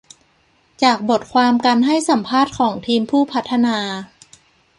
จากบทความการให้สัมภาษณ์ของทีมผู้พัฒนา